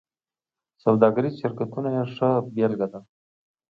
سوداګریز شرکتونه یې ښه بېلګه ده.